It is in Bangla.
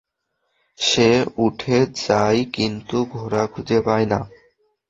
সে উঠে যায় কিন্তু ঘোড়া খুঁজে পায় না।